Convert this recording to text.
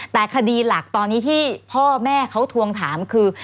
แต่คดีหลักตอนนี้ที่พ่อแม่เขาทวงถามคือ